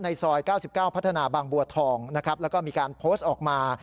ในซอย๙๙พัฒนาบางบัวทองนะครับ